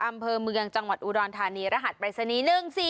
อำเภอเมืองจังหวัดอุดรธานีรหัสปรายศนีย์๑๔